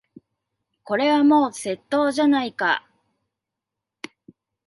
これはもう窃盗じゃないか。